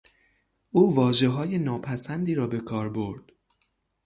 او واژههای ناپسندی را به کار برد.